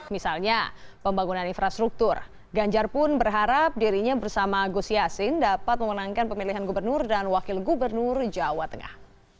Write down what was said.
misalnya pembangunan infrastruktur ganjar pun berharap dirinya bersama gus yassin dapat memenangkan pemilihan gubernur dan wakil gubernur jawa tengah